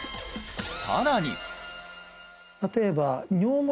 さらに！